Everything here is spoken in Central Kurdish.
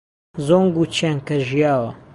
زۆنگ و چێنکە ژیاوە